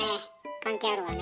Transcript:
関係あるわね。